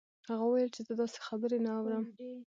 هغه وویل چې زه داسې خبرې نه اورم